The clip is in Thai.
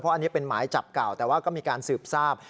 อันนี้เป็นหมายจับเก่าแต่ว่าก็มีการสืบทราบ